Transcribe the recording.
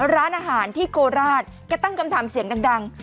ร้านอาหารที่โคราชแกตั้งคำถามเสียงดัง